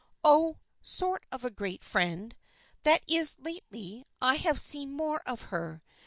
" Oh, sort of a great friend. That is, lately I have seen more of her.